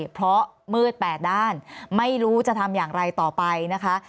เพราะมืดแปดด้านไม่รู้จะทำอย่างไรต่อไปนะคะ